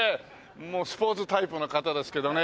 もうスポーツタイプの方ですけどね。